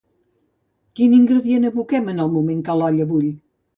Quin ingredient aboquem en el moment que l'olla bull?